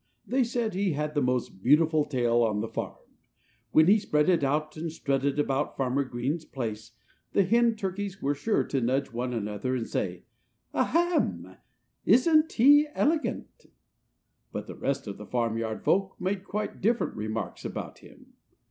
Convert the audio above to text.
They said he had the most beautiful tail on the farm. When he spread it and strutted about Farmer Green's place the hen turkeys were sure to nudge one another and say, "Ahem! Isn't he elegant?" But the rest of the farmyard folk made quite different remarks about him.